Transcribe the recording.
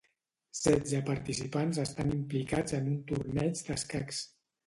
Setze participants estan implicats en un torneig d'escacs.